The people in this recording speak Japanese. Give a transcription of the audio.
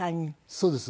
そうです。